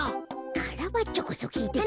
カラバッチョこそきいてきてよ。